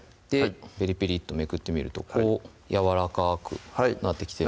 ペリペリっとめくってみるとこうやわらかくなってきてるんですね